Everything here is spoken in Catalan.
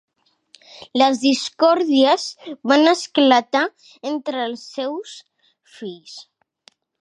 Les discòrdies van esclatar entre els seus fills.